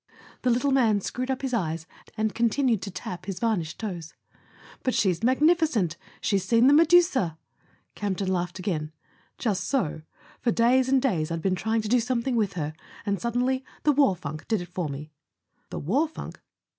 The little man screwed up his eyes and continued to tap his varnished toes. "But she's magnificent. She's seen the Medusa!" Campton laughed again. "Just so. For days and days I'd been trying to do something with her; and suddenly the war funk did it for me." "The war funk